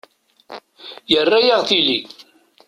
Yerra-yaɣ tili.